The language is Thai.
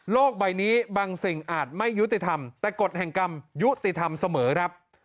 ใบนี้บางสิ่งอาจไม่ยุติธรรมแต่กฎแห่งกรรมยุติธรรมเสมอครับ